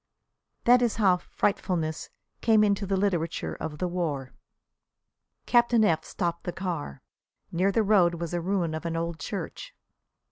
That is how "frightfulness" came into the literature of the war. Captain F stopped the car. Near the road was a ruin of an old church.